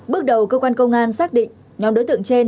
bước đầu cơ quan công an xác định nhóm đối tượng trên